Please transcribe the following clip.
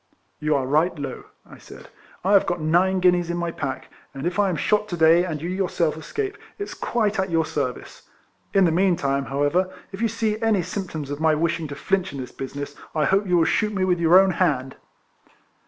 " You are right, Low," I said. " I have got nine guineas in my pack, and if I am shot to day, and you yourself escape, it 's quite at your service. In the meantime, however, if you see any symptoms of my wishing to flinch in this business I hope you will shoot me with your own hand."